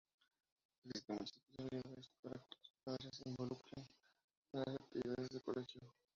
Existen muchas posibilidades para que los padres se involucren en las actividades del Colegio.